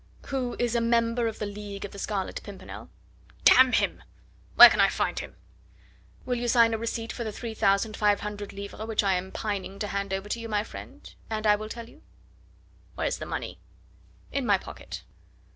"Who is a member of the League of the Scarlet Pimpernel." "D him! Where can I find him?" "Will you sign a receipt for the three thousand five hundred livres, which I am pining to hand over to you, my friend, and I will tell you?" "Where's the money?" "In my pocket."